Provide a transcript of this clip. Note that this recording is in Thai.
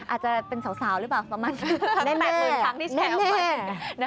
อาจจะเป็นสาวหรือเปล่าประมาณ๘หมื่นครั้งที่แชร์ของฝ่าย